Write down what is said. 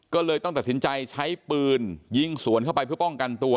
ก็เลยต้องตัดสินใจใช้ปืนยิงสวนเข้าไปเพื่อป้องกันตัว